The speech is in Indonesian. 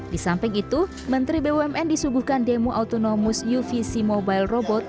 di samping itu menteri bumn disuguhkan demo autonomus uvc mobile robot